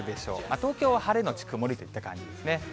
東京は晴れ後曇りといった感じですね。